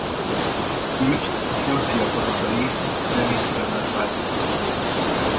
Őt a francia-kanadai Denis Clement váltotta a dobok mögött.